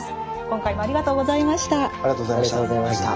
今回もありがとうございました。